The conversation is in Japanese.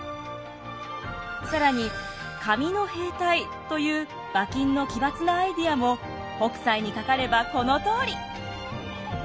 更に紙の兵隊という馬琴の奇抜なアイデアも北斎にかかればこのとおり。